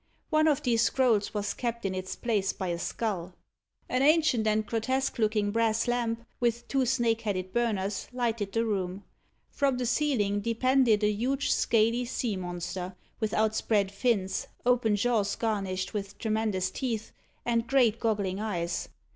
One of these scrolls was kept in its place by a skull. An ancient and grotesque looking brass lamp, with two snake headed burners, lighted the room. From the ceiling depended a huge scaly sea monster, with outspread fins, open jaws garnished with tremendous teeth, and great goggling eyes.